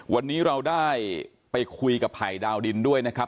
วันนี้เราได้ไปคุยกับไผ่ดาวดินด้วยนะครับ